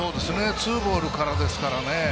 ツーボールからですからね。